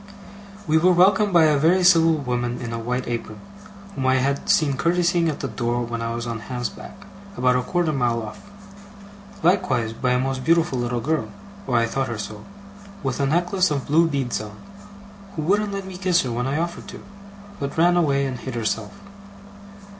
We were welcomed by a very civil woman in a white apron, whom I had seen curtseying at the door when I was on Ham's back, about a quarter of a mile off. Likewise by a most beautiful little girl (or I thought her so) with a necklace of blue beads on, who wouldn't let me kiss her when I offered to, but ran away and hid herself.